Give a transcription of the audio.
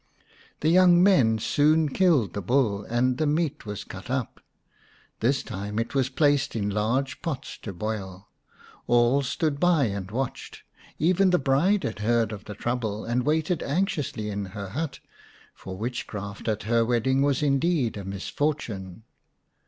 The young men soon killed the bull and the meat was cut up. This time it was placed in large pots to boil. All stood by and watched ; even the bride had heard of the trouble and waited anxiously in her hut, for witchcraft at her wedding was indeed a misfortune.